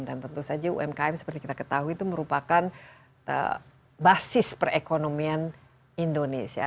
dan tentu saja umkm seperti kita ketahui itu merupakan basis perekonomian indonesia